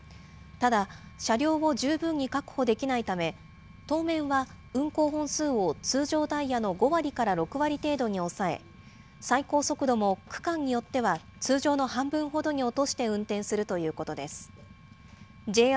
ただ、車両を十分に確保できないため、当面は運行本数を通常ダイヤの５割から６割程度に抑え、最高速度も区間によっては通常の半分ほどに落として運転するということです。